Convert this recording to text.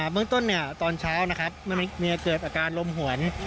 เมืองต้นตอนเช้ามีเกิดอาการลมหวน